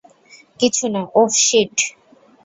কিছুনা oh, sheet.